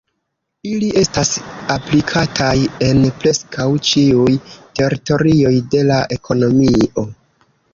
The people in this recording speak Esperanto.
Ili estas aplikataj en preskaŭ ĉiuj teritorioj de la ekonomio.